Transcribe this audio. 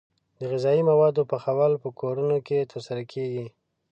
د غذايي موادو پخول په کورونو کې ترسره کیږي.